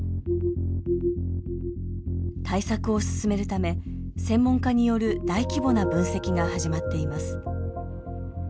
対策を進めるため専門家による大規模な分析が始まっています。